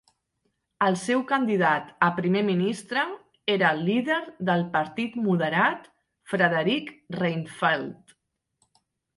El seu candidat a Primer Ministre era el líder del Partit Moderat, Fredrik Reinfeldt.